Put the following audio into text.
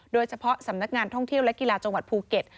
โดยเฉพาะสำนักงานท่องเที่ยวและกีฬาจังหวัดภูเก็ต